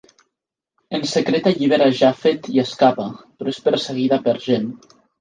En secret allibera Japhett i escapa, però és perseguida per Jem.